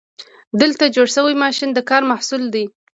دلته جوړ شوی ماشین د کار محصول دی.